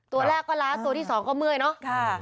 ตัวแรกก็ล้าตัวที่สองก็เมื่อยเนาะ